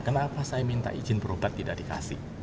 kenapa saya minta izin berobat tidak dikasih